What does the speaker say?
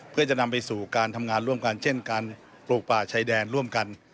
เพื่อจะนำไปสู่การทำงานร่วมกันเช่นการปลูกป่าชายแดนร่วมกัน